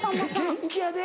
元気やで。